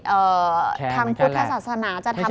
เอ่อทำพุทธศาสนาจะทำยังไง